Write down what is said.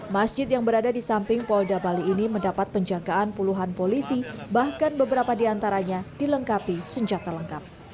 masjid yang berada di samping polda bali ini mendapat penjagaan puluhan polisi bahkan beberapa di antaranya dilengkapi senjata lengkap